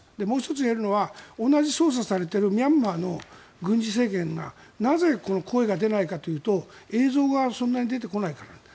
もう１つ言えるのは同じ捜査されているミャンマーの軍事政権がなぜこの声が出ないかというと映像がそんなに出てこないから。